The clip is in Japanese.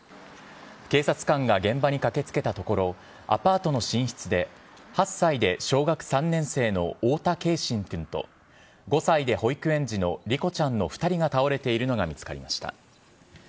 警察官が現場に駆けつけたところ、アパートの寝室で、８歳で小学３年生の太田けいしん君と５歳で保育園児の梨心ちゃんの２人が倒れているのが見つかりました。